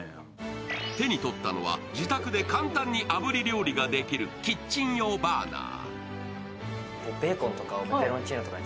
手に取ったのは自宅で簡単にあぶり料理ができるキッチン用バーナー。